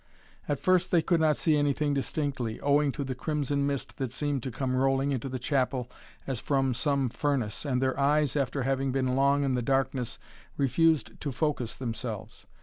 At first they could not see anything distinctly, owing to the crimson mist that seemed to come rolling into the chapel as from some furnace and their eyes, after having been long in the darkness, refused to focus themselves.